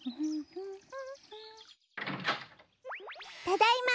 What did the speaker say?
ただいま！